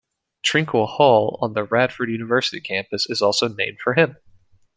Trinkle Hall on the Radford University campus is also named for him.